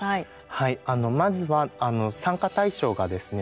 はいあのまずは参加対象がですね